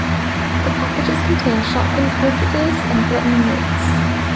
The packages contained shotgun cartridges and threatening notes.